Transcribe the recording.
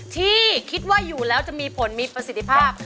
ที่คิดว่าอยู่แล้วจะมีผลมีประสิทธิภาพ